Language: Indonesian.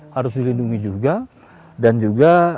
harus dilindungi juga dan juga